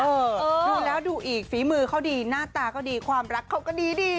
ดูแล้วดูอีกฝีมือเขาดีหน้าตาก็ดีความรักเขาก็ดี